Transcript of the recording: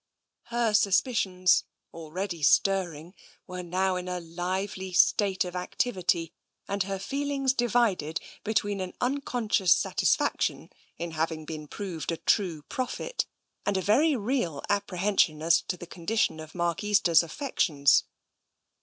Her suspicions, TENSION 193 already stirring, were now in a lively state of activity, and her feelings divided between an unconscious satis faction in having been proved a true prophet and a very real apprehension as to the condition of Mark Easter's affections.